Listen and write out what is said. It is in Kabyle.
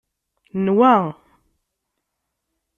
Nwa